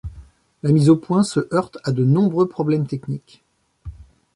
La mise au point se heurte à de nombreux problèmes techniques.